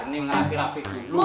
ini ngapir apik dulu